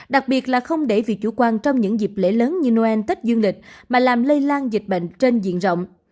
đặc biệt là không để vì chủ quan trong những dịp lễ lớn như noel tết dương lịch mà làm lây lan dịch bệnh trên diện rộng